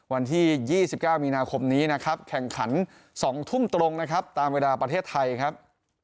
วันที่๒๙มีนาคมนี้นะครับแข่งขัน๒ทุ่มตรงนะครับตามเวลาประเทศไทยครับ